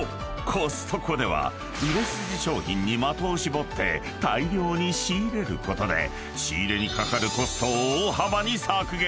コストコでは売れ筋商品に的を絞って大量に仕入れることで仕入れにかかるコストを大幅に削減。